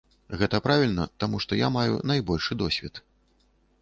Гэта правільна, таму што я маю найбольшы досвед.